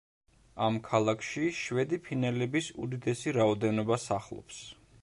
ამ ქალაქში შვედი ფინელების უდიდესი რაოდენობა სახლობს.